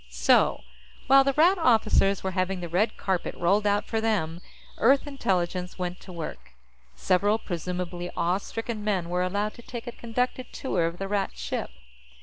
So, while the Rat officers were having the red carpet rolled out for them, Earth Intelligence went to work. Several presumably awe stricken men were allowed to take a conducted tour of the Rat ship.